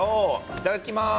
いただきます。